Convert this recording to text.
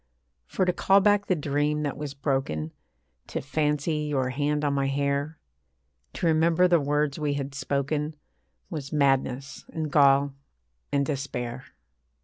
For to call back the dream that was broken, To fancy your hand on my hair, To remember the words we had spoken, Was madness, and gall, and despair.